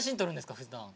ふだん。